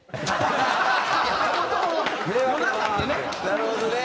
なるほどね。